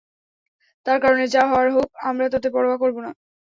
তার কারণে যা হওয়ার হোক, আমরা তাতে পরোয়া করব না।